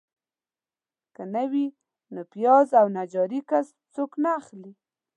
که نه وي نو پیاز او نجاري کسب څوک نه اخلي.